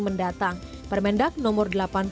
mendatang permendak nomor